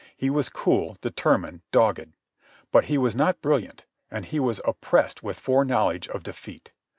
He was cool, determined, dogged. But he was not brilliant, and he was oppressed with foreknowledge of defeat.